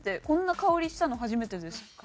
こんな香りしたの初めてです。